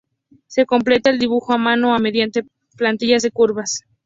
Se completa el dibujo a mano o mediante plantillas de curvas.